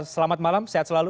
selamat malam sehat selalu